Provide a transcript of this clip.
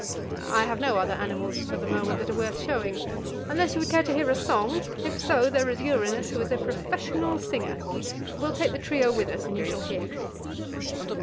I have no other animals for the moment that are worth showing unless you would care to hear a song. If so, there is Uranus, who is a professional singer. We'll take the trio with us, and you shall hear."